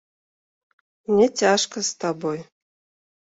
Мне цяжка з табой.